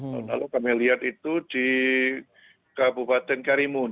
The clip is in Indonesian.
tahun lalu kami lihat itu di kabupaten karimun